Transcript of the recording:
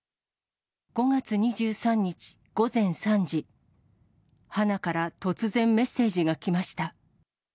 ５月２３日午前３時、花から突然メッセージが来ました。